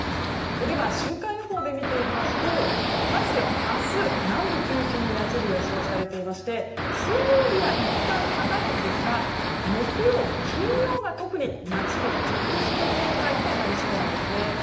では、週間予報で見ていきますとまず明日、南部を中心に夏日が予想されていまして水曜日はいったん下がるんですが木曜、金曜が特に夏日続出状態となりそうなんですね。